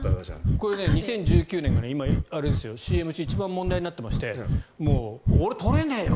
これ、２０１９年がＣＭ中、一番問題になってまして俺、撮れねえよ